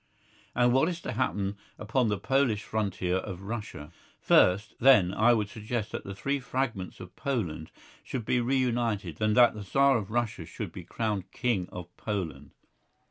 And what is to happen upon the Polish frontier of Russia? First, then, I would suggest that the three fragments of Poland should be reunited, and that the Tsar of Russia should be crowned King of Poland.